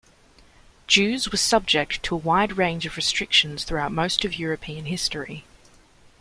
Jews were subject to a wide range of restrictions throughout most of European history.